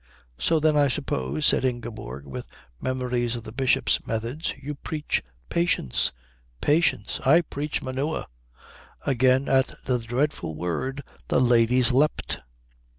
"So then, I suppose," said Ingeborg, with memories of the Bishop's methods, "you preach patience." "Patience! I preach manure." Again at the dreadful word the ladies leapt.